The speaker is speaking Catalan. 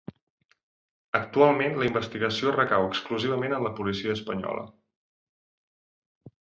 Actualment, la investigació recau exclusivament en la policia espanyola.